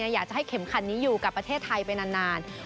อยากจะให้เข็มขัดนี้อยู่กับประเทศไทยไปนาน